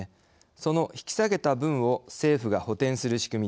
その引き下げた分を政府が補てんする仕組みです。